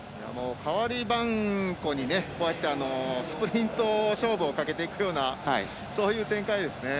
代わりばんこにスプリント勝負をかけていくそういう展開ですね。